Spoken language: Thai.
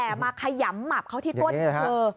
ก็มาขยำมับเขาที่ตวดเหลือ